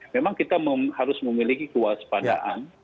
memang kita harus memiliki kewaspadaan